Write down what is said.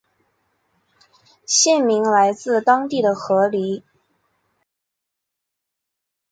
县名来自当地的河狸。